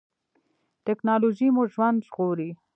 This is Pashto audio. ټیکنالوژي مو ژوند ژغوري